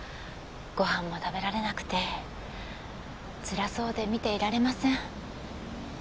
ごはんも食べられなくてつらそうで見ていられません